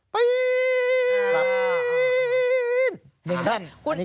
ปีน